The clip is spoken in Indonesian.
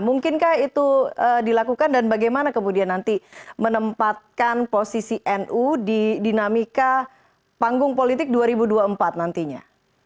mungkinkah itu dilakukan dan bagaimana kemudian nanti menempatkan posisi nu di dinamika panggung politik dua ribu dua puluh empat nantinya